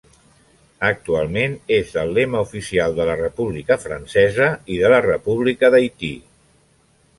Actualment és el lema oficial de la República Francesa i de la República d'Haití.